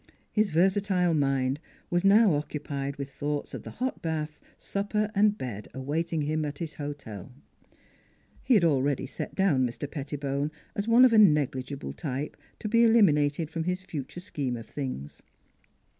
His versatile mind was now occupied with NEIGHBORS 235 thoughts of the hot bath, supper, and bed await ing him at his hotel. He had already set down Mr. Pettibone as one of a negligible type to be eliminated from his future scheme of things.